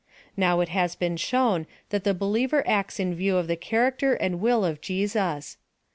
Now it has been shown that the believer acts in view of the character and will of Je sus.